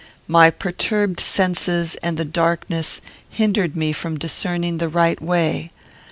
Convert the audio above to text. My perturbed senses and the darkness hindered me from discerning the right way.